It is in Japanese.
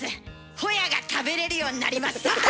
ほやが食べれるようになりました。